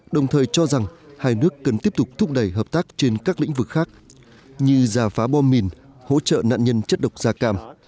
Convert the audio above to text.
đồng thời cho rằng hai nước cần tiếp tục thúc đẩy hợp tác trên các lĩnh vực khác như giả phá bom mìn hỗ trợ nạn nhân chất độc da cam